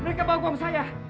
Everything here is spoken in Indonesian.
mereka bawa bom saya